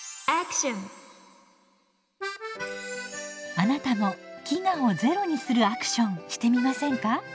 あなたも飢餓をゼロにするアクションしてみませんか？